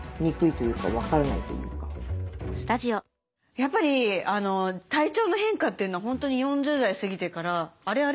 やっぱり体調の変化というのは本当に４０代過ぎてからあれあれ？